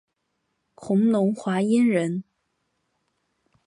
弘农华阴人。